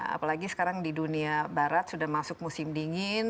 apalagi sekarang di dunia barat sudah masuk musim dingin